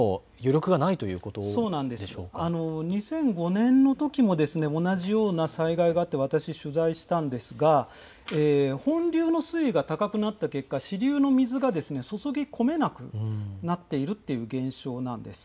２００５年のときも同じような災害があって、私、取材したんですが、本流の水位が高くなった結果、支流の水が注ぎこめなくなっているという現象なんです。